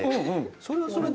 それはそれで。